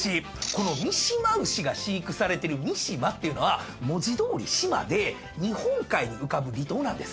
この見島牛が飼育されてる見島っていうのは文字通り島で日本海に浮かぶ離島なんです。